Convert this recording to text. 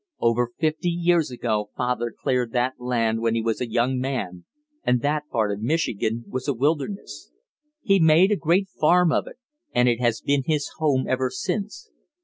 Over fifty years ago father cleared that land when he was a young man and that part of Michigan was a wilderness. He made a great farm of it, and it has been his home ever since.